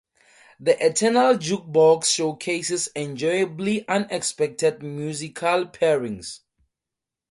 The Eternal Jukebox showcases enjoyably unexpected musical pairings.